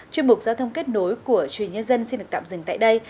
chuyên mục giao thông kết nối của chuyên nhân dân xin được tạm dừng tại đây